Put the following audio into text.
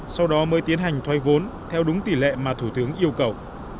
sau đó mới tiến hành thoái vốn theo đúng tỷ lệ mà thủ tướng yêu cầu